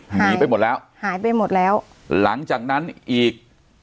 หนีไปหมดแล้วหายไปหมดแล้วหลังจากนั้นอีก